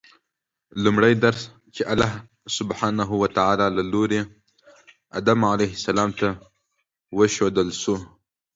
لومړی درس چې الله سبحانه وتعالی له لوري آدم علیه السلام ته وښودل شو